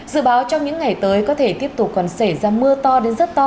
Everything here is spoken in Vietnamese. dự báo trong những ngày tới có thể tiếp tục còn xảy ra mưa to đến rất to